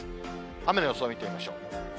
雨の予想を見てみましょう。